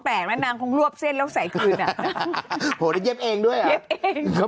เข้าโหม่ออันนี้โหดเมื่อนะ